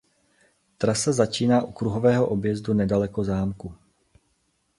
Trasa začíná u kruhového objezdu nedaleko zámku.